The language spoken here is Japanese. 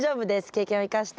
経験を生かして。